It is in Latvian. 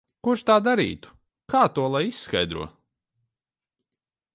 Kurš tā darītu? Kā to lai izskaidro?